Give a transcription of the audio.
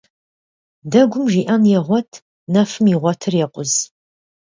Дэгум жиӀэн егъуэт, нэфым игъуэтыр екъуз.